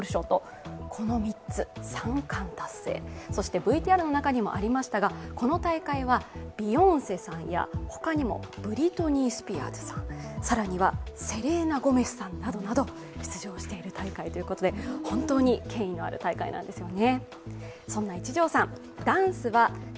ＶＴＲの中にもありましたがこの大会はビヨンセさんや、ほかにもブリトニー・スピアーズさん、更にはセレーナ・ゴメスさんなどなど出場している大会ということで本当に権威のある大会なんですよね。